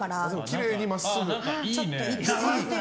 きれいに真っすぐ。